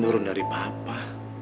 nurun dari papa